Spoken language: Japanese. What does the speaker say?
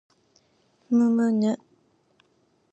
むむぬ